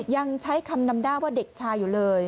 ยังใช้คำนำหน้าว่าเด็กชายอยู่เลย